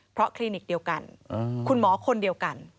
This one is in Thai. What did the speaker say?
เพราะคลินิกเดียวกันคุณหมอคนเดียวกัน